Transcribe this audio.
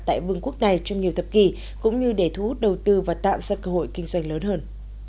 tại vương quốc này trong nhiều thập kỷ cũng như để thu hút đầu tư và tạo ra cơ hội kinh doanh lớn hơn